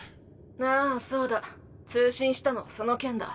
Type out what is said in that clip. あぁそうだ通信したのその件だ。